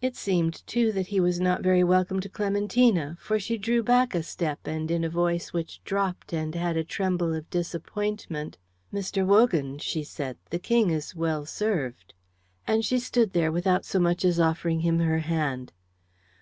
It seemed, too, that he was not very welcome to Clementina; for she drew back a step and in a voice which dropped and had a tremble of disappointment, "Mr. Wogan," she said, "the King is well served;" and she stood there without so much as offering him her hand.